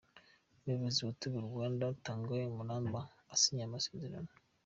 Umuybozi wa Tigo Rwanda Tongai Maramba asinya aya masezerano.